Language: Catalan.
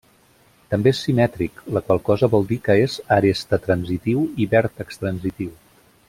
També és simètric, la qual cosa vol dir que és aresta-transitiu i vèrtex-transitiu.